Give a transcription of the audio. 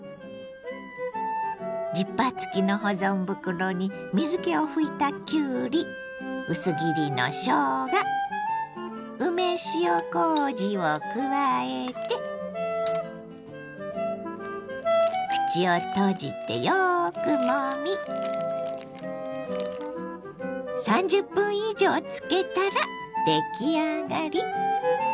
ジッパー付きの保存袋に水けを拭いたきゅうり薄切りのしょうが梅塩こうじを加えて口を閉じてよくもみ３０分以上漬けたら出来上がり。